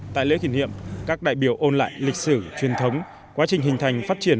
tại lễ kỷ niệm các đại biểu ôn lại lịch sử truyền thống quá trình hình thành phát triển